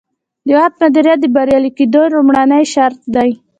د وخت مدیریت د بریالي کیدو لومړنی شرط دی.